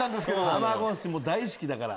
卵大好きだから。